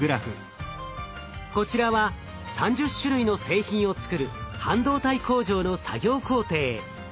こちらは３０種類の製品を作る半導体工場の作業工程。